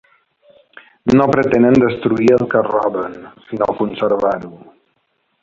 No pretenen destruir el que roben, sinó conservar-ho.